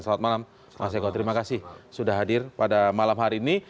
selamat malam mas eko terima kasih sudah hadir pada malam hari ini